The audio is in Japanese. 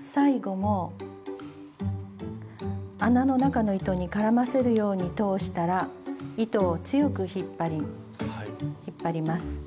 最後も穴の中の糸に絡ませるように通したら糸を強く引っ張ります。